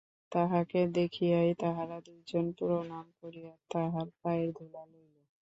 তাঁহাকে দেখিয়াই তাহারা দুইজনে প্রণাম করিয়া তাঁহার পায়ের ধুলা লইল।